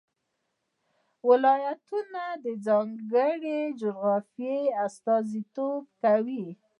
ولایتونه د ځانګړې جغرافیې استازیتوب کوي.